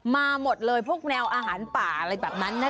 มาหมดเลยพวกแนวอาหารป่าอะไรแบบนั้นนะคะ